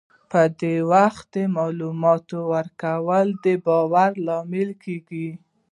په وخت د معلوماتو ورکول د باور لامل کېږي.